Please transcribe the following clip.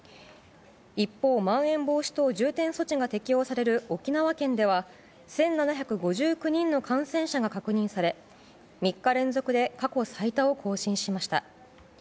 一方、まん延防止等重点措置が適用される沖縄県では１７５９人の感染者が確認され３日連続で過去最多を更新しました。